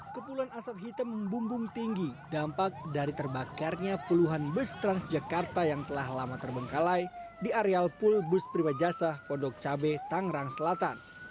kepuluhan asap hitam membumbung tinggi dampak dari terbakarnya puluhan bus transjakarta yang telah lama terbengkalai di area pulbus prima jasa pondok cabe tangerang selatan